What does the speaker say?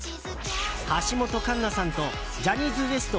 橋本環奈さんとジャニーズＷＥＳＴ